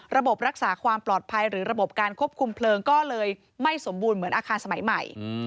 ระบบรักษาความปลอดภัยหรือระบบการควบคุมเพลิงก็เลยไม่สมบูรณ์เหมือนอาคารสมัยใหม่